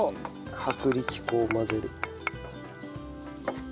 薄力粉を混ぜる。